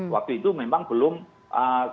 waktu itu memang belum ketahuan tersebut